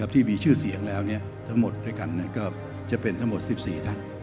ที่มีชื่อเสียงแล้วทั้งหมดด้วยกันก็จะเป็นทั้งหมด๑๔ท่าน